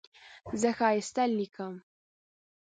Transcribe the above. زه ښایسته لیکم.